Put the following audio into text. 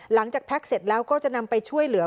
แพ็คเสร็จแล้วก็จะนำไปช่วยเหลือ